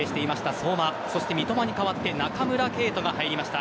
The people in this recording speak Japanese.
相馬三笘に代わって中村敬斗が入りました。